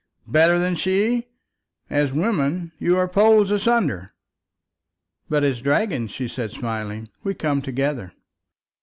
"Better than her! As women you are poles asunder." "But as dragons," she said, smiling, "we come together."